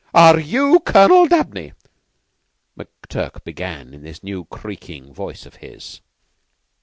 "Are you Colonel Dabney?" McTurk began in this new creaking voice of his.